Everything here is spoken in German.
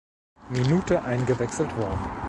Minute eingewechselt worden.